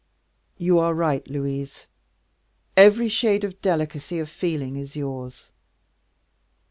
"You are right, Louise; every shade of delicacy of feeling is yours.